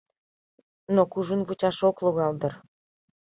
Но кужун вучаш ок логал дыр.